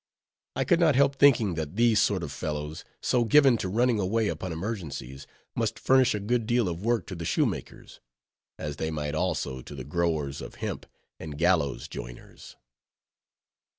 I could not help thinking that these sort of fellows, so given to running away upon emergencies, must furnish a good deal of work to the shoemakers; as they might, also, to the growers of hemp and gallows joiners.